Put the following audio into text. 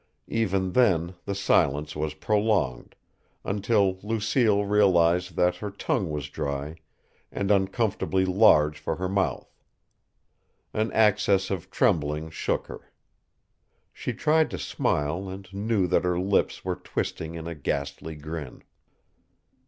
Even then, the silence was prolonged, until Lucille realized that her tongue was dry and uncomfortably large for her mouth. An access of trembling shook her. She tried to smile and knew that her lips were twisting in a ghastly grin.